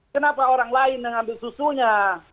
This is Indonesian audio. kenapa orang lain mengambil susunya